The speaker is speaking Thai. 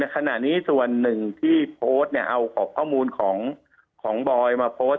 ขณะนี้ส่วนหนึ่งที่โพสต์เอาข้อมูลของบอยมาโพสต์